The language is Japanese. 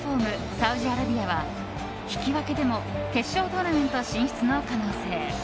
サウジアラビアは引き分けでも決勝トーナメント進出の可能性。